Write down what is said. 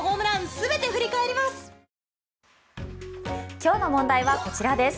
今日の問題はこちらです。